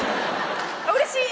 「うれしい！」